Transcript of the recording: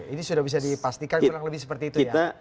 ini sudah bisa dipastikan kurang lebih seperti itu ya